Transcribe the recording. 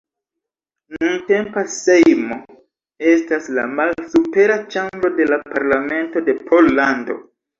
Nuntempa Sejmo estas la malsupera ĉambro de la parlamento de Pollando.